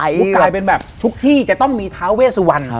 คือกลายเป็นแบบทุกที่จะต้องมีท้าเวสวัน